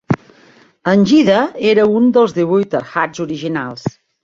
Angida era un dels divuit Arhats originals.